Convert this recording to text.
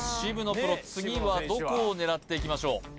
プロ次はどこを狙っていきましょう